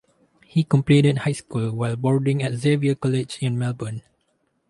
He completed high school while boarding at Xavier College in Melbourne.